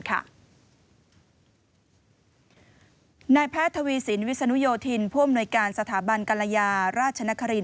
นายแพทย์ทวีสินวิสานุโยธินพ่อมนวยการสถาบันกัลลายาราชนครีน